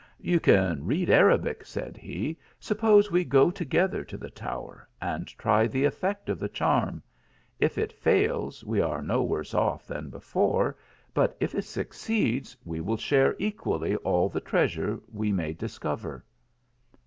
" You can read Arabic," said he, "suppose we go together to the tower and try the effect of the charm ; if it fails we are no worse off than before, but if it suc ceeds we will share equally all the treasure we may discover."